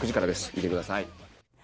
見てください。